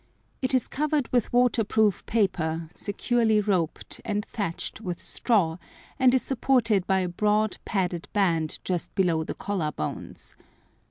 It is covered with waterproof paper, securely roped, and thatched with straw, and is supported by a broad padded band just below the collar bones.